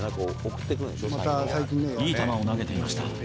いい球を投げていました。